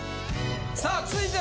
さあ続いては。